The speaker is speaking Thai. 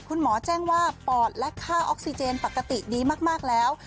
คุณหมอแจ้งว่าปอดและค่าออกซิเจนปกติดีมากแล้ว